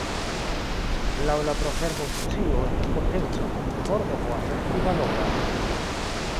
Laŭ la proverbo "scio estas potenco" informo povas esti valora.